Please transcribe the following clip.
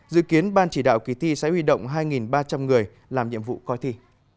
dự kiến ban chỉ đạo kỳ thi sẽ huy động hai ba trăm linh người làm nhiệm vụ coi thi